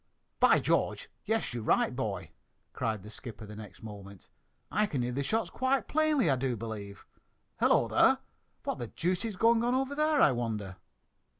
"By George, yes, you're right, boy!" cried the skipper the next moment. "I can hear the shots quite plainly, I do believe. Hullo, there! What the deuce is going on over there, I wonder?"